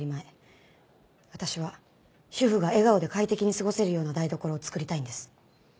私は主婦が笑顔で快適に過ごせるような台所を作りたいんです。